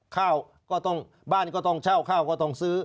ข้าวก็ต้องบ้านก็ต้องเช่าข้าวก็ต้องซื้อ